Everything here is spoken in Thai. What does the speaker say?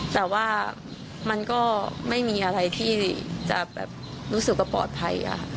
แต่ว่ามันก็ไม่มีอะไรที่จะแบบรู้สึกว่าปลอดภัย